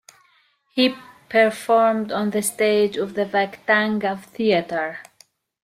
He performed on the stage of the Vakhtangov Theatre.